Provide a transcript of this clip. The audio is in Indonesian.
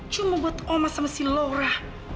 cuma buat omah sama si laura